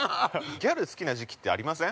◆ギャル好きな時期ってありません？